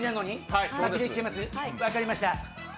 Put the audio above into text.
分かりました。